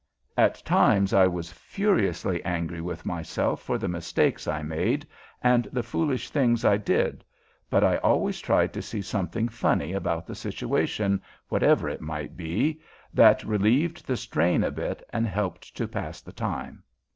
At times I was furiously angry with myself for the mistakes I made and the foolish things I did, but I always tried to see something funny about the situation, whatever it might be, that relieved the strain a bit and helped to pass the time.